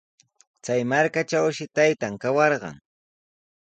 Chay markatrawshi taytan kawarqan.